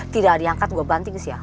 tidak diangkat gue banting sih ya